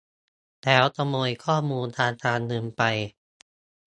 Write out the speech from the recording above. แล้วขโมยข้อมูลทางการเงินไป